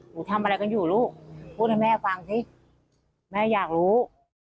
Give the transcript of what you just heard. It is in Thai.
หนูทำอะไรกันอยู่ลูกพูดให้แม่ฟังสิแม่อยากรู้